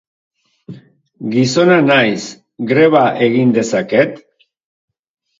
Gizona naiz, greba egin dezaket?